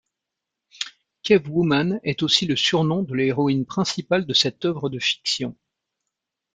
Cavewoman est aussi le surnom de l'héroïne principale de cette œuvre de fiction.